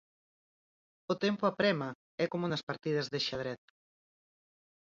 O tempo aprema, é como nas partidas de xadrez.